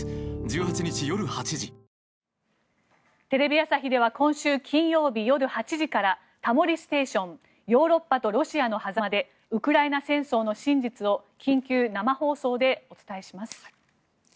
テレビ朝日では今週金曜日夜８時から「タモリステーション欧州とロシアの狭間でウクライナ戦争の真実」を緊急生放送でお伝えします。